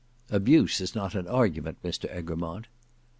"Abuse is not argument, Mr Egremont."